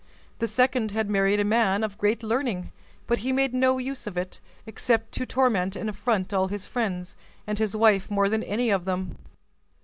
The second had married a man of great learning; but he made no use of it, except to torment and affront all his friends, and his wife more than any of them.